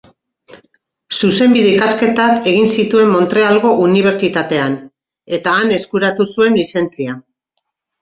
Zuzenbide-ikasketak egin zituen Montrealgo Unibertsitatean, eta han eskuratu zuen lizentzia.